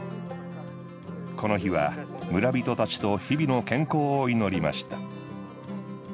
この日は村人たちと日々の健康を祈りました。